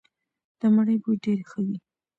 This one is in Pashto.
د مڼې بوی ډیر ښه وي.